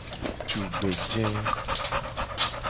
Tugbeje.